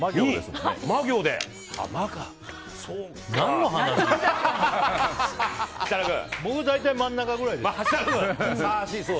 僕は大体真ん中ぐらいです。